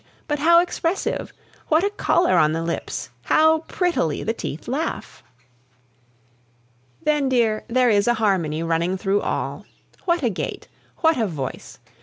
But how expressive! what a color on the lips! how prettily the teeth laugh! Then, dear, there is a harmony running through all. What a gait! what a voice!